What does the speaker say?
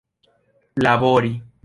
labori